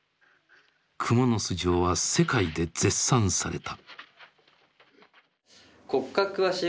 「蜘蛛巣城」は世界で絶賛された。